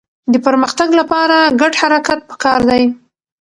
د پرمختګ لپاره ګډ حرکت پکار دی.